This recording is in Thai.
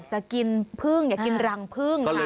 ก็จะไปเอาพึ่งเอ้า